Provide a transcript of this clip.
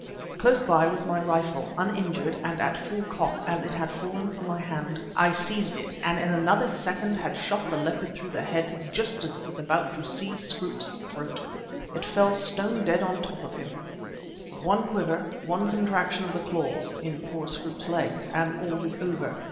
Close by was my rifle, uninjured and at full cock as it had fallen from my hand. I seized it, and in another second had shot the leopard through the head just as it was about to seize Scroope's throat. It fell stone dead on the top of him. One quiver, one contraction of the claws (in poor Scroope's leg) and all was over.